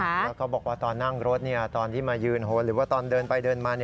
แล้วเขาบอกว่าตอนนั่งรถตอนที่มายืนโหหรือว่าตอนเดินไปเดินมา